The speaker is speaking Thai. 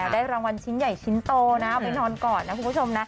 ได้รางวัลชิ้นใหญ่ชิ้นโตนะเอาไปนอนก่อนนะคุณผู้ชมนะ